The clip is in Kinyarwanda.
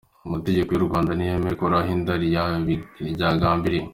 Amategeko y’u Rwanda ntiyemera ikuramo inda ryagambiriwe.